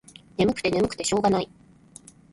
ねむくてねむくてしょうがない。